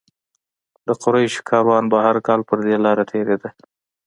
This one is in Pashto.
د قریشو کاروان به هر کال پر دې لاره تېرېده.